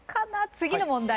次の問題